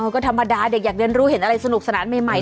ก็ธรรมดาเด็กอยากเรียนรู้เห็นอะไรสนุกสนานใหม่